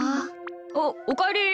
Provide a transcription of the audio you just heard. あっおかえり。